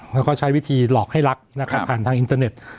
แล้วก็ใช้วิธีหลอกให้รักนะครับผ่านทางอินเทอร์เน็ต